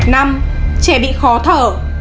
năm trẻ bị khó thở